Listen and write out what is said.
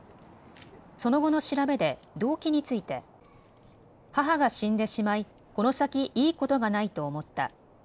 その後の調べで動機について母が死んでしまい、この先いいことがないと思った。